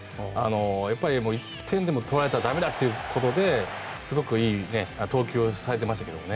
やっぱり１点でも取られたら駄目だということですごくいい投球をされていましたけどね。